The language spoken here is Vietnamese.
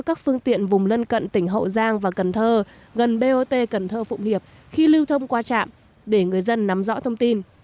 các phương tiện vùng lân cận tỉnh hậu giang và cần thơ gần bot cần thơ phụng hiệp khi lưu thông qua trạm để người dân nắm rõ thông tin